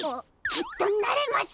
きっとなれます！